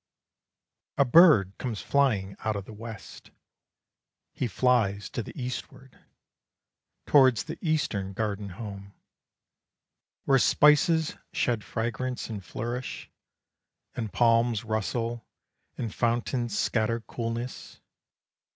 A bird comes flying out of the West; He flies to the Eastward, Towards the Eastern garden home, Where spices shed fragrance, and flourish, And palms rustle and fountains scatter coolness.